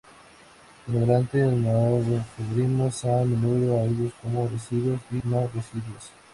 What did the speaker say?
En adelante nos referimos a menudo a ellos como "residuos" y "no-residuos".